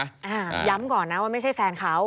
ย้ำก่อนนะว่าไม่ใช่แฟนเขา